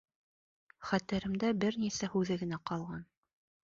Хәтеремдә бер нисә һүҙе генә ҡалған: